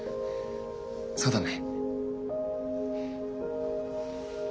そうだね。